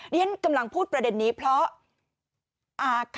เรียนกำลังพูดประเด็นนี้เพราะอาข